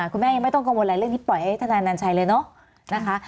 คุณแม่ยังไม่ต้องกังวลอะไรเรื่องนี้ปล่อยให้ทนายนันชัยเลยเนอะนะคะ